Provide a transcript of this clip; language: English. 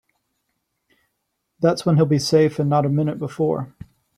That's when he'll be safe and not a minute before.